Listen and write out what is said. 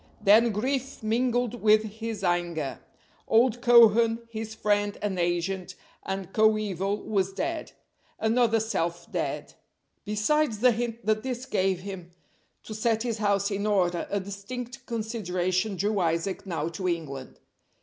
Then grief mingled with his anger. Old Cohen, his friend and agent and coeval, was dead. Another self dead. Besides the hint that this gave him to set his house in order, a distinct consideration drew Isaac now to England.